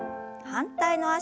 反対の脚。